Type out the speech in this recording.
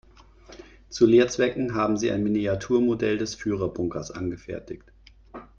Zu Lehrzwecken haben sie ein Miniaturmodell des Führerbunkers angefertigt.